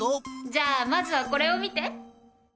じゃあまずはこれを見て。